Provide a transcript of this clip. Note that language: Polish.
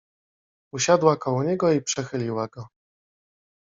Usiadła koło niego i przechyliła go.